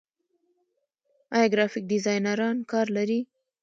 آیا ګرافیک ډیزاینران کار لري؟